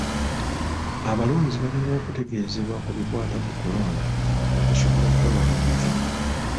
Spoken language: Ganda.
Abalonzi balina okutegeezebwa ku bikwata ku kulonda okusobola okwewala obuvuyo.